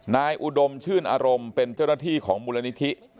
อุดมชื่นอารมณ์เป็นเจ้าหน้าที่ของมูลนิธิ